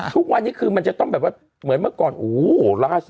ทุกวันนี้คือมันจะต้องแบบว่าเหมือนเมื่อก่อนโอ้โหล่าสุด